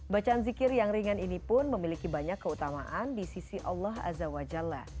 bacaan zikir yang ringan ini pun memiliki banyak keutamaan di sisi allah azza wa jalla